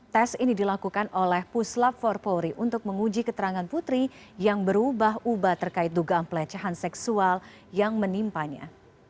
tes ini dilakukan oleh puslap for polri untuk menguji keterangan putri yang berubah ubah terkait dugaan pelecehan seksual yang menimpanya